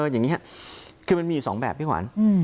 อย่างนี้ค่ะคือมันมี๒แบบพี่ขวาน